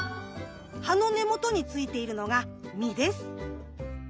葉の根元についているのが実です。